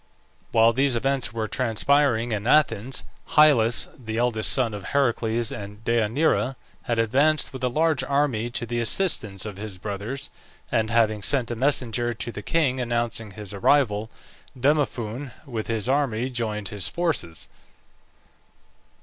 While these events were transpiring in Athens, Hyllus, the eldest son of Heracles and Deianira, had advanced with a large army to the assistance of his brothers, and having sent a messenger to the king announcing his arrival, Demophoon, with his army, joined his forces.